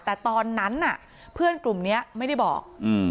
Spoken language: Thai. แต่ตอนนั้นน่ะเพื่อนกลุ่มนี้ไม่ได้บอก